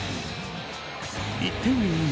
１点を追う